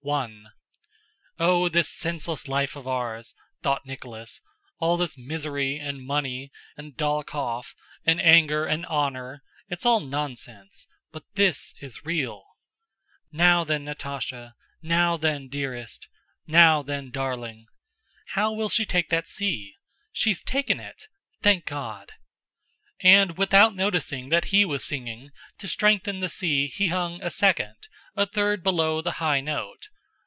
One. "Oh, this senseless life of ours!" thought Nicholas. "All this misery, and money, and Dólokhov, and anger, and honor—it's all nonsense... but this is real.... Now then, Natásha, now then, dearest! Now then, darling! How will she take that si? She's taken it! Thank God!" And without noticing that he was singing, to strengthen the si he sung a second, a third below the high note.